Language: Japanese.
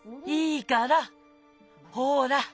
いいから。ほら！